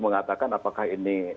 mengatakan apakah ini